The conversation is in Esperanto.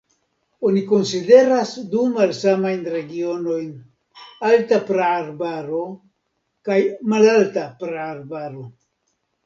Oni konsideras du malsamajn regionojn: alta praarbaro kaj malalta praarbaro.